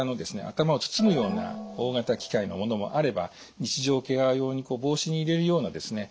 頭を包むような大型機械の物もあれば日常ケア用に帽子に入れるようなですね